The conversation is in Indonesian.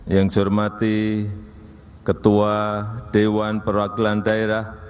yang saya hormati ketua dewan perwakilan daerah